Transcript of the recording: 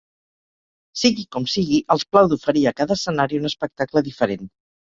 Sigui com sigui, els plau d’oferir a cada escenari un espectacle diferent.